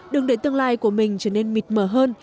đường đệ tương lai của mình trở nên mịt mờ hơn